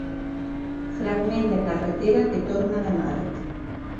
Fragment de carretera que torna de Mart.